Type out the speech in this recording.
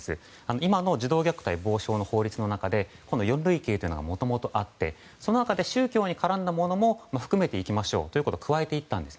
今の児童虐待防止法の法律の下でこの４類型はもともとあってその中で、宗教に絡んだものも含めていきましょうということを加えていったんです。